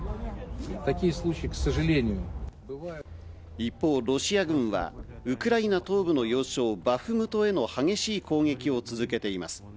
一方、ロシア軍はウクライナ東部の要衝バフムトへの激しい攻撃を続けています。